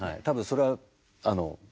多分それはあの。